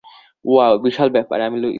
Wow, বিশাল ব্যাপার, আমি লুইস।